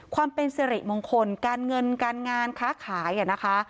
ความเป็นสิริมงคลการเงินการงานค้าขายนะคะ